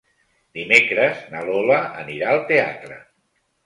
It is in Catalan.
Dimecres na Lola anirà al teatre.